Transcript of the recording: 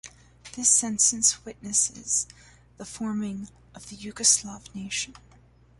This census witnesses the forming of the Yugoslav nation.